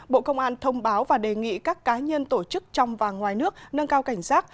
bộ công an thông báo và đề nghị các cá nhân tổ chức trong và ngoài nước nâng cao cảnh giác